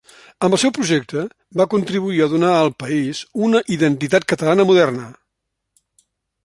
Amb el seu projecte, va contribuir a donar al país una identitat catalana moderna.